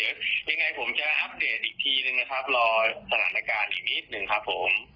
ยังไงผมจะอัปเดตอีกทีนึงนะครับรอสถานการณ์อีกนิดนึงครับผม